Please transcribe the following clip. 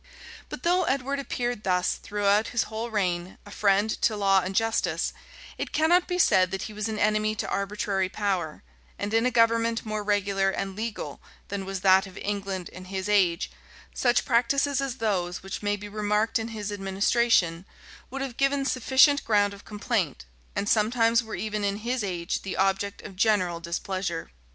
But though Edward appeared thus, throughout his whole reign, a friend to law and justice, it cannot be said that he was an enemy to arbitrary power; and in a government more regular and legal than was that of England in his age, such practices as those which may be remarked in his administration, would have given sufficient ground of complaint, and sometimes were even in his age the object of general displeasure.